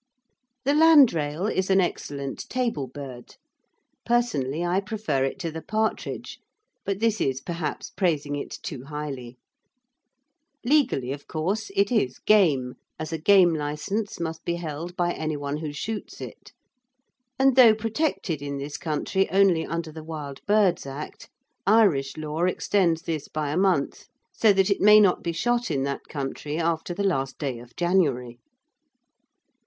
The landrail is an excellent table bird. Personally I prefer it to the partridge, but this is perhaps praising it too highly. Legally of course it is "game," as a game licence must be held by anyone who shoots it; and, though protected in this country only under the Wild Birds Act, Irish law extends this by a month, so that it may not be shot in that country after the last day of January.